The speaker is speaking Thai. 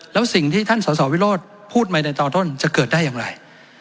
แล้วสิ่งที่ท่านสสวิโรธพูดใหม่ในตอนต้นจะเกิดได้อย่างไร